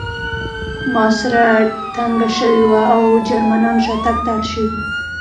محاصره تنګه شوې وه او جرمنان شاتګ ته اړ شوي وو